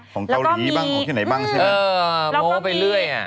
ของเกาหลีบ้างของที่ไหนบ้างใช่ไหมอืมแล้วก็มีแล้วก็มี